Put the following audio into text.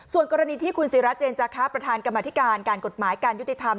ส่วนกรณีที่คุณศิราเจนจาคะประธานกรรมธิการการกฎหมายการยุติธรรม